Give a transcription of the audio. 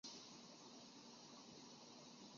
蟋蟀雨蛙是美国东南部一种细小的树蟾。